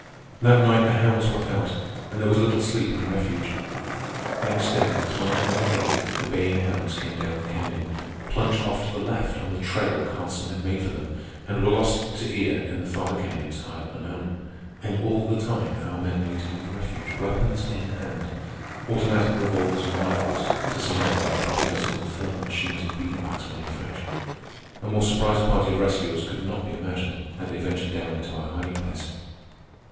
That night the hounds were out, and there was little sleep in the refuge. Next day, time and again, the baying hounds came down the canyon, plunged off to the left on the trail Carlson had made for them, and were lost to ear in the farther canyons high up the mountain. And all the time our men waited in the refuge, weapons in hand—automatic revolvers and rifles, to say nothing of half a dozen infernal machines of Biedenbach's manufacture. A more surprised party of rescuers could not be imagined, had they ventured down into our hiding place.